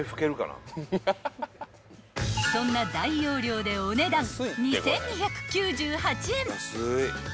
［そんな大容量でお値段２，２９８円］